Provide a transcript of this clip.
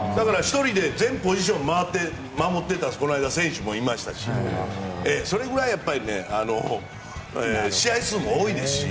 １人で全ポジション守った選手もいましたしそれぐらい試合数も多いですし。